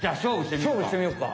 しょうぶしてみようか。